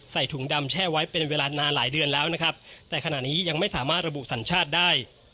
ถุงดำแช่ไว้เป็นเวลานานหลายเดือนแล้วนะครับแต่ขณะนี้ยังไม่สามารถระบุสัญชาติได้